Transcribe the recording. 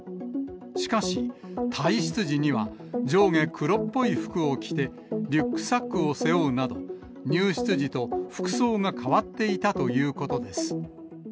しかし、退室時には上下黒っぽい服を着て、リュックサックを背負うなど、入室時と服装が変わっていたということです。